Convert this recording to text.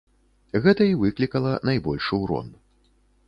Гэта і выклікала найбольшы ўрон.